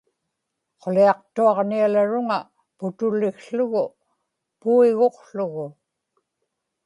quliaqtuaġnialaruŋa putulikługu puiguqługu